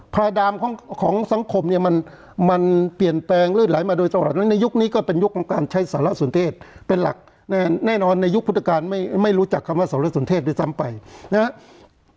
ภายดามของสังคมเนี่ยมันเปลี่ยนแปลงลืดไหลมาโดยตลอดแล้วในยุคนี้ก็เป็นยุคของการใช้สารสนเทศเป็นหลักแน่นอนในยุคพุทธการไม่รู้จักคำว่าสารสนเทศด้วยซ้ำไปนะครับ